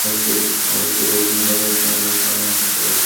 অবশ্য জোছনা দেখার সময় জোছনার গান শুনতে পারলে আরও ভালো লাগত।